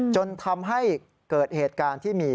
จนทำให้เกิดเหตุการณ์ที่มี